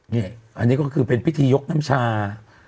นี่อันนี้ก็คือเป็นพิธียกน้ำชา